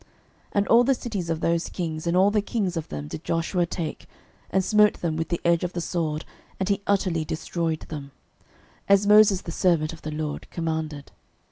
06:011:012 And all the cities of those kings, and all the kings of them, did Joshua take, and smote them with the edge of the sword, and he utterly destroyed them, as Moses the servant of the LORD commanded.